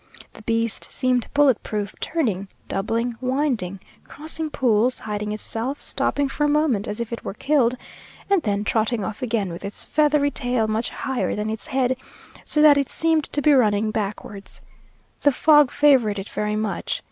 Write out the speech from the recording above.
The beast seemed bullet proof; turning, doubling, winding, crossing pools, hiding itself, stopping for a moment as if it were killed, and then trotting off again with its feathery tail much higher than its head; so that it seemed to be running backwards. The fog favoured it very much.